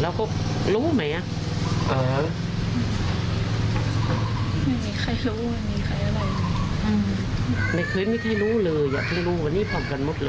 แล้วก็ดูลูก